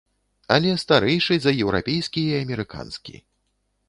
Але старэйшы за еўрапейскі і амерыканскі.